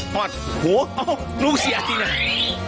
หอดโหลูกเสียจริง